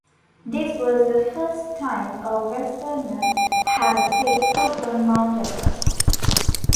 This was the first time a Westerner had set foot on Mount Everest.